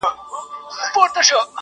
ډېوې د اُمیدنو مو لا بلي دي ساتلي،